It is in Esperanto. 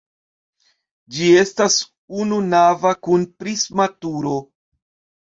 Ĝi estas ununava kun prisma turo.